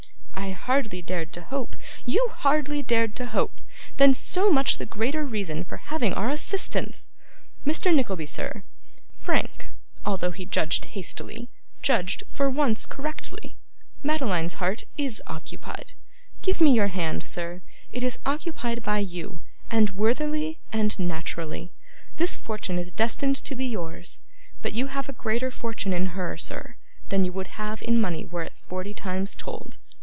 'I hardly dared to hope ' 'You hardly dared to hope! Then, so much the greater reason for having our assistance! Mr. Nickleby, sir, Frank, although he judged hastily, judged, for once, correctly. Madeline's heart IS occupied. Give me your hand, sir; it is occupied by you, and worthily and naturally. This fortune is destined to be yours, but you have a greater fortune in her, sir, than you would have in money were it forty times told.